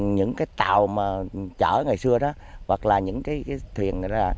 những cái tàu mà chở ngày xưa đó hoặc là những cái thuyền đó là